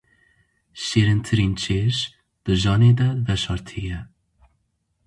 Şêrîntirîn çêj, di janê de veşartî ye.